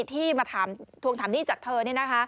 ที่มาถามหนี้จากเธอนี่